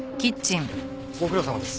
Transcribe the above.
ご苦労さまです。